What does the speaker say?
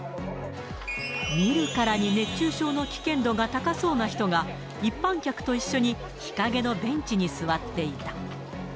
見るからに熱中症の危険度が高そうな人が、一般客と一緒に日陰のベンチに座っていた。